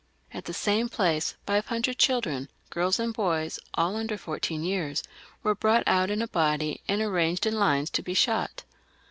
At the same place five hundred children, girls and boys, all under fourteen, were brought out in a body, and arranged in lines to be'ishot.